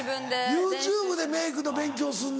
ＹｏｕＴｕｂｅでメークの勉強すんのか。